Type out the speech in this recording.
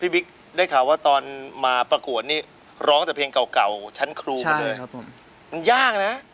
บิ๊กได้ข่าวว่าตอนมาประกวดนี่ร้องแต่เพลงเก่าชั้นครูมาเลยมันยากนะ